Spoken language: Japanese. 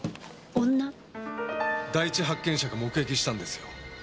第一発見者が目撃したんですよ